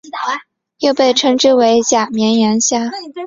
又被称之为假绵羊虾。